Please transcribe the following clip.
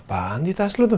apaan di tas lu tuh